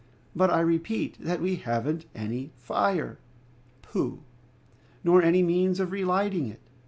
"But, I repeat, that we haven't any fire!" "Pooh!" "Nor any means of relighting it!"